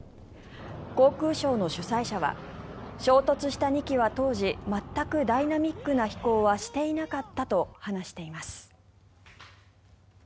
航空ショーの主催者は衝突した２機は当時全くダイナミックな飛行はしていなかったと話しています。